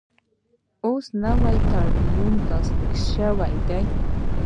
اوس نوی تړون لاسلیک شوی دی.